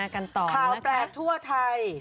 ข่าวแปลกทั่วไทย